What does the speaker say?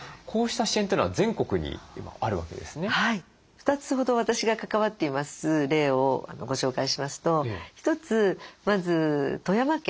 ２つほど私が関わっています例をご紹介しますと１つまず富山県の例ですね。